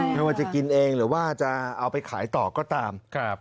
ไม่ว่าจะกินเองหรือว่าจะเอาไปขายต่อก็ตาม